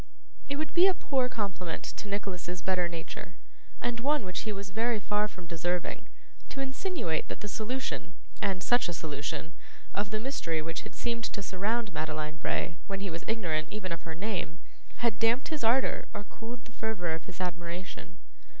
It would be a poor compliment to Nicholas's better nature, and one which he was very far from deserving, to insinuate that the solution, and such a solution, of the mystery which had seemed to surround Madeline Bray, when he was ignorant even of her name, had damped his ardour or cooled the fervour of his admiration.